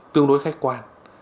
tương đối khách quan